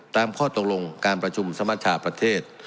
ตามข้อตกลงการประชุมสมชาประเทศ